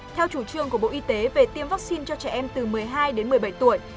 theo chủ trương của bộ y tế về tiêm vaccine cho trẻ em từ một mươi hai đến một mươi bảy tuổi